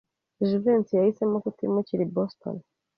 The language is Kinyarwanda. Jivency yahisemo kutimukira i Boston.